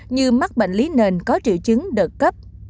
như mắc bệnh lý nền có triệu chứng đợt cấp